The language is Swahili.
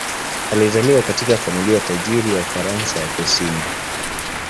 Alizaliwa katika familia tajiri ya Ufaransa ya kusini.